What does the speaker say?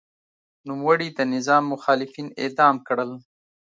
نوموړي د نظام مخالفین اعدام کړل.